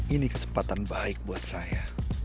ini kesempatan baik buat saya